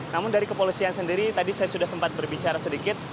namun dari kepolisian sendiri tadi saya sudah sempat berbicara sedikit